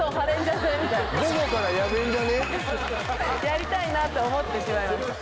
やりたいなと思ってしまいました。